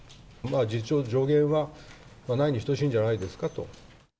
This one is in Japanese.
事実上、上限はないに等しいんではないですかと。